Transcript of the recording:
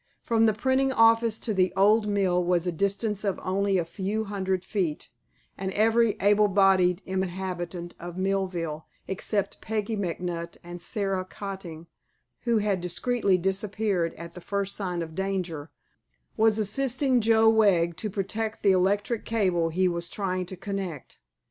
From the printing office to the old mill was a distance of only a few hundred feet, and every able bodied inhabitant of Millville except Peggy McNutt and Sara Cotting who had discreetly disappeared at the first sign of danger was assisting Joe Wegg to protect the electric cable he was trying to connect.